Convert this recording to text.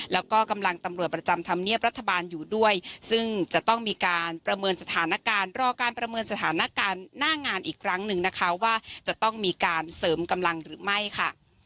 แล้วก็กำลังตำรวจประจำธรรมเนียบรัฐบาลอยู่ด้วยซึ่งจะต้องมีการประเมินสถานการณ์รอการประเมินสถานการณ์หน้างานอีกครั้งหนึ่งนะคะว่าจะต้องมีการเสริมกำลังหรือไม่ค่ะ